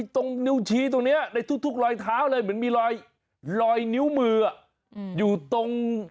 ตรงนิ้วชี้ตรงนี้ในทุกรอยเท้าเลยเหมือนมีรอยนิ้วมืออยู่ตรง